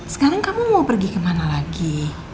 sekarang kamu mau pergi kemana lagi